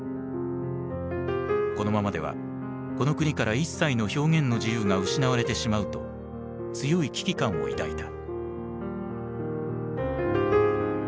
このままではこの国から一切の表現の自由が失われてしまうと強い危機感を抱いた。